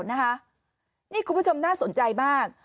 นี่คุณผู้ชมน่าสนใจมาก